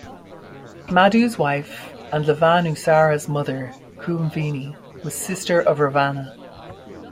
Madhu's wife and Lavanusara's mother Kumbhini was sister of Ravana.